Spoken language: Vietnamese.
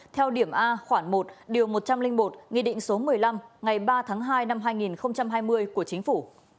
theo điểm a khoảng một điều một trăm linh một nghị định số một mươi năm ngày ba tháng hai năm hai nghìn hai mươi của chính phủ